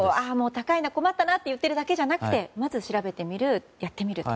高いな、困ったなと言ってるだけじゃなくてまず調べてみる、やってみると。